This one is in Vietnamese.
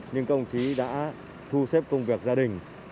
nhưng công chí đã thu xếp công việc gia đình